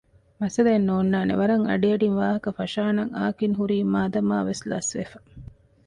މައްސަލައެއް ނޯންނާނެވަރަށް އަޑިއަޑިން ވާހަކަ ފަށާނަން އާކިން ހުރީ މާދަމާވެސް ލަސްވެފަ